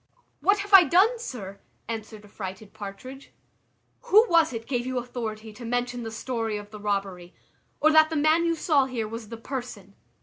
"What have I done, sir?" answered affrighted Partridge. "Who was it gave you authority to mention the story of the robbery, or that the man you saw here was the person?"